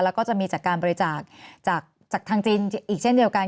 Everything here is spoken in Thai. แล้วก็จะมีจากการบริจาคจากทางจีนอีกเช่นเดียวกัน